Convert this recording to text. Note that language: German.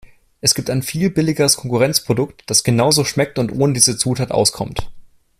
Es gibt ein viel billigeres Konkurrenzprodukt, das genauso schmeckt und ohne diese Zutat auskommt.